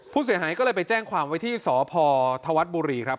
ผู้เสียหายก็เลยไปแจ้งความไว้ที่สพธวัฒน์บุรีครับ